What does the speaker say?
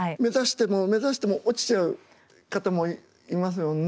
目指しても目指しても落ちちゃう方もいますもんね。